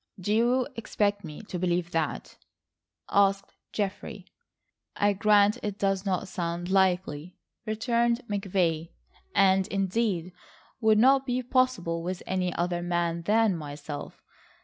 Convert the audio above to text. "Do you expect me to believe that?" asked Geoffrey. "I grant it does not sound likely," returned McVay, "and indeed would not be possible with any other man than myself.